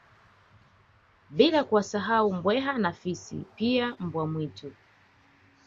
Bila kuwasahau Mbweha na Fisi pia Mbwa mwitu